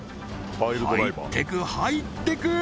入ってく入ってく！